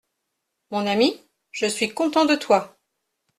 Mon ami, je suis content de toi…